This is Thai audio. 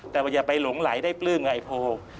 แต่ว่าอย่าไปหลงไหลได้ปลื้มไงโพล